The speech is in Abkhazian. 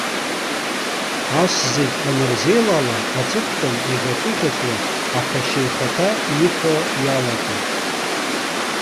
Ас зегь анырзеилала, аҵыхәтәан иӷьаҵәыӷьаҵәуа аԥашьа ихаҭа иҳәо иалагеит.